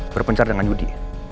berpencar dengan judy